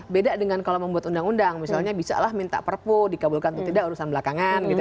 beda dengan kalau membuat undang undang misalnya bisalah minta perpu dikabulkan atau tidak urusan belakangan gitu